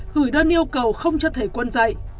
gửi đơn yêu cầu không cho thầy quân dạy